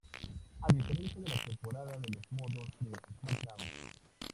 A diferencia de la temporada de los modos de SmackDown!